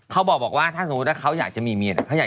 ไห้โซบ้านอกไงรายการไห้โซบ้านอก